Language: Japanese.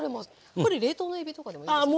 これ冷凍のえびとかでもいいんですか？